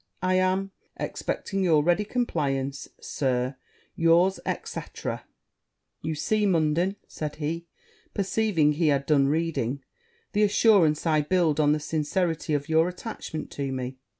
I am, expecting your ready compliance, Sir, yours, &c. .' 'You see, Munden,' said he, perceiving he had done reading, 'the assurance I build on the sincerity of your attachment to me.'